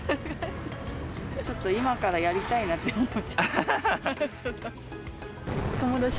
ちょっと今からやりたいなって思っちゃった。